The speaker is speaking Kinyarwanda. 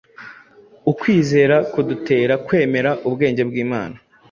ukwizera kudutera kwemera ubwenge bw’Imana